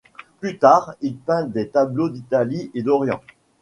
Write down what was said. Plus tard, il peint des tableaux d'Italie et d'Orient.